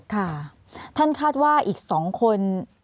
ค่ะท่านคาดว่าอีก๒คน